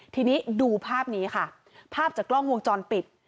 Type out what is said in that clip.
ทีนี้ดูภาพนี้ค่ะภาพจากกล้องวงจรปิด